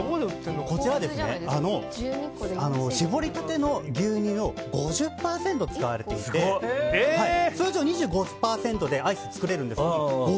こちらは搾りたての牛乳を５０％使われていて通常、２５％でアイスは作れるんですけど５０％